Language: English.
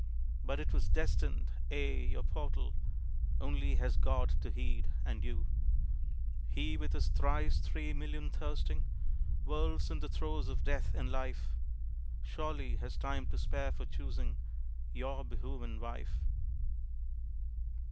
"But it was destined?" Ay, your portal Only has God to heed and you! He with his thrice three million thirsting Worlds in the throes of death and life Surely has time to spare for choosing Your behooven wife!